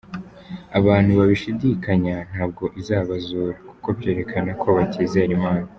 Abantu babishidikanya, ntabwo izabazura kuko byerekana ko batizera imana.